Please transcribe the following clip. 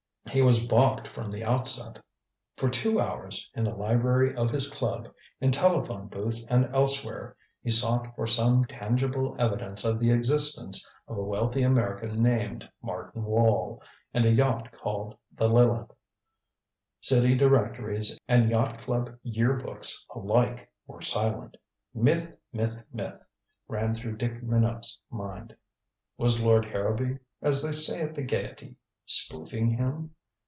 He was balked from the outset. For two hours, in the library of his club, in telephone booths and elsewhere, he sought for some tangible evidence of the existence of a wealthy American named Martin Wall and a yacht called the Lileth. City directories and yacht club year books alike were silent. Myth, myth, myth, ran through Dick Minot's mind. Was Lord Harrowby as they say at the Gaiety spoofing him?